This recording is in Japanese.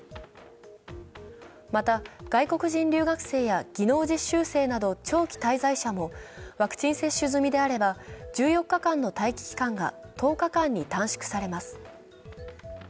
また、外国人留学生や技能実習生など長期滞在者もワクチン接種済みであれば、１４日間の待機期間が１０日間に短縮されます。